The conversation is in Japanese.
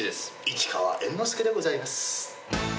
市川猿之助でございます！